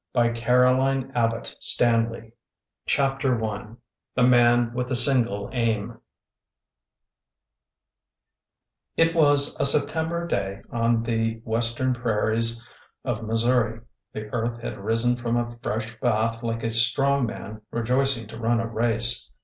II A TALE OF THE BORDER CHAPTER I THE MAN WITH THE SINGLE AIM I T was a September day on the western prairies of Mis souri. The earth had risen from a fresh bath like a strong man rejoicing to run a race.